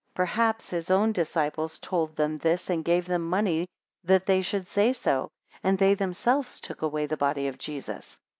29 Perhaps his own disciples told them this, and gave them money that they should say so, and they themselves took away the body of Jesus.